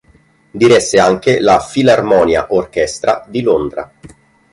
Diresse anche la Philharmonia Orchestra di Londra.